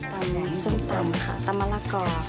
ตำส้มตำค่ะตำมะละกอ